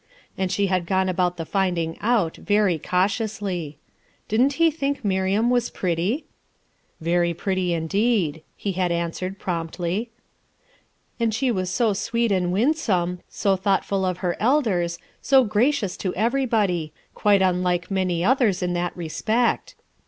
And she had gone about the finding out very cautiously. Didn't he think Miriam was pretty? 102 RUTH ERSKINE'S SON "Very pretty indeed," he had answered promptly. And she was so sweet and winsome, so thought ful of her elders, so gracious to everybody; qu j te unlike many others in that respect.